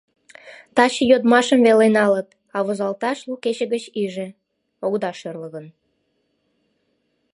— Таче йодмашым веле налыт, а возалташ лу кече гыч иже... огыда шӧрлӧ гын.